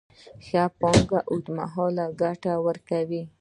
ښه پانګونه اوږدمهاله ګټه ورکوي.